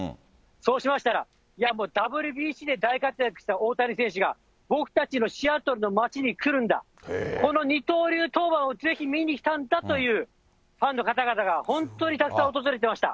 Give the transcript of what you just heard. そうしましたら、いやもう、ＷＢＣで大活躍した大谷選手が、僕たちのシアトルの街に来るんだ、この二刀流登板をぜひ見に来たんだという、ファンの方々が、本当にたくさん訪れてました。